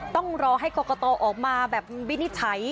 ต้องรอให้กรกตออกมาแบบวินิจฉัย